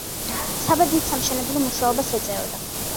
საბა დიდ საამშენებლო მუშაობას ეწეოდა.